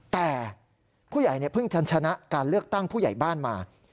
แต่ผู้ใหญ่เพิ่งชันชนะการเลือกตั้งผู้ใหญ่บ้านมา